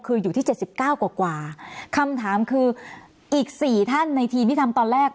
คืออยู่ที่เจ็ดสิบเก้ากว่าคำถามคืออีก๔ท่านในทีมที่ทำตอนแรก